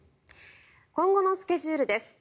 今後のスケジュールです。